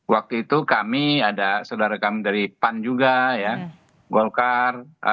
waktu itu kami ada saudara kami dari pan juga ya golkar